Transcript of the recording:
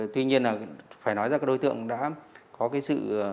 tuy nhiên là phải nói rằng đối tượng đã có cái sự